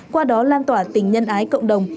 qua đó lan tỏa tình nhân ái cộng đồng